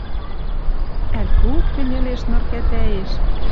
Ӓль клуб кӹньӹлеш ныр кӓтӓэш